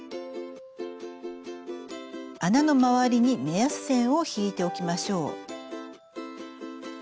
穴の周りに目安線を引いておきましょう。